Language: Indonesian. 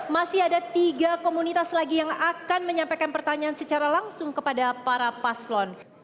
masih ada tiga komunitas lagi yang akan menyampaikan pertanyaan secara langsung kepada para paslon